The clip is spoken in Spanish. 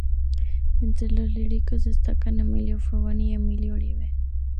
Entre los líricos destacan Emilio Frugoni y Emilio Oribe.